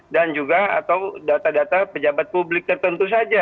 dan juga atau data data pejabat publik tertentu saja